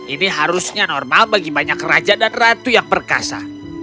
ini harusnya normal bagi banyak raja dan ratu yang perkasa